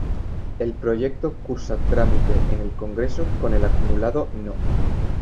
El proyecto cursa trámite en el Congreso con el acumulado No.